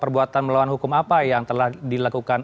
perbuatan melawan hukum apa yang telah dilakukan